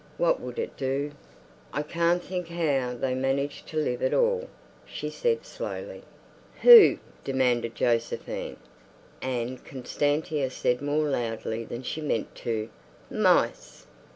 What would it do? "I can't think how they manage to live at all," she said slowly. "Who?" demanded Josephine. And Constantia said more loudly than she meant to, "Mice."